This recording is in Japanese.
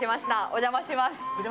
お邪魔しまーす。